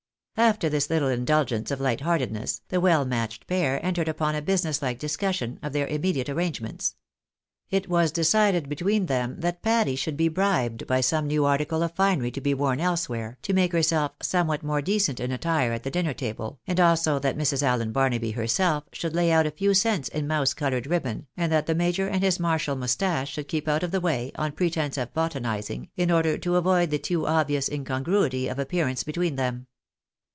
After this little indulgence of hght heartedness, the well matched pair entered upon a business like discussion of their imme diate arrangements. It was decided between them that Patty should be bribed by some new article of finery to be worn else where, to make herself somewhat more decent in attire at the dinner table, and also that Mrs. Allen Barnaby herself should lay out a few cents in mouse coloured ribbon, and that the major and his martial mustache should keep out of the way, on pretence of botanising, in order to avoid the too obvious incongruity of ap pearance between them.